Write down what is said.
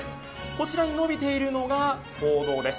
こちらに伸びているのが坑道です。